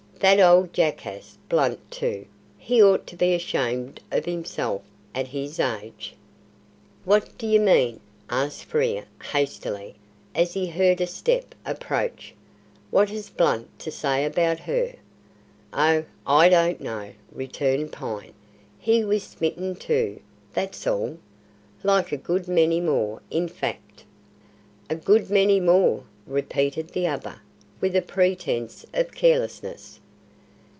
That old jackass, Blunt, too! he ought to be ashamed of himself, at his age!" "What do you mean?" asked Frere hastily, as he heard a step approach. "What has Blunt to say about her?" "Oh, I don't know," returned Pine. "He was smitten too, that's all. Like a good many more, in fact." "A good many more!" repeated the other, with a pretence of carelessness.